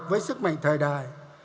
với sức mạnh thời đại